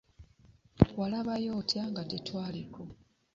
Walabayo otya nga tetwaliko?